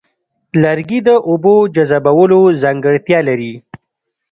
لرګي د اوبو جذبولو ځانګړتیا لري.